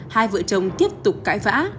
hai vợ chồng tiếp tục cãi vã